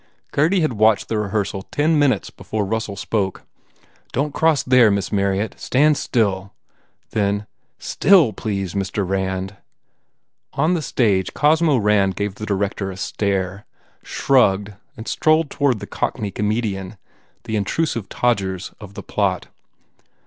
Gurdy had watched the rehearsal ten minutes before Russell spoke. "Don t cross, there, Miss Marryatt. Stand still." Then, "still, please, Mr. Rand." On the stage Cosmo Rand gave the director a stare, shrugged and strolled toward the cockney comedian, the intrusive Todgers of the plot.